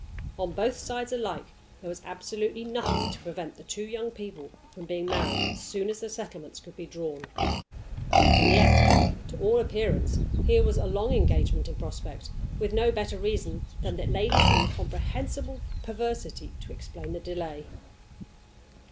On both sides alike there was absolutely nothing to prevent the two young people from being married as soon as the settlements could be drawn. And yet, to all appearance, here was a long engagement in prospect, with no better reason than the lady's incomprehensible perversity to explain the delay.